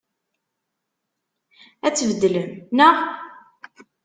Ad t-tbeddlem, naɣ?